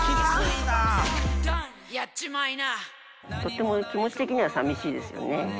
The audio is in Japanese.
とっても、気持ち的にはさみしいですよね。